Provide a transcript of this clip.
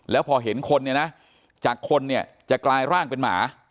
แล้วพอเห็นคนเนี่ยนะจากคนเนี่ยจะกลายร่างเป็นหมา